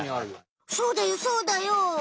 そうだよそうだよ。